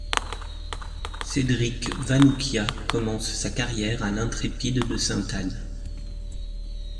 Cédric Vanoukia commence sa carrière à l'Intrépide de Sainte-Anne.